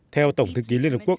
theo tổng thư ký liên hợp quốc